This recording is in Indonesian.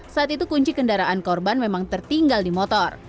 saat itu kunci kendaraan korban memang tertinggal di motor